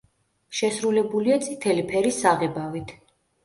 შესრულებულია წითელი ფერის საღებავით.